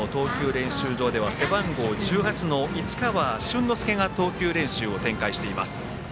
練習場では背番号１８の市川春之介が投球練習を展開しています。